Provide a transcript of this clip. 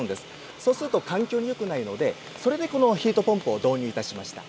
そうすると環境によくないのでそれでこのヒートポンプを導入いたしました。